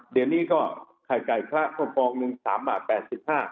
เดี๋ยวนี้ก็ไข่ไก่ค่าพร้อม๓๘๕บาท